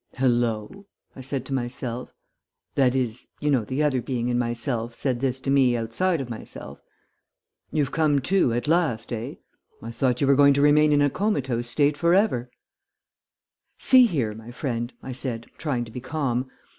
"'Hello,' I said to myself that is you know the other being in myself said this to me outside of myself. 'You've come to, at last, eh? I thought you were going to remain in a comatose state for ever.' "'See here, my friend,' I said, trying to be calm.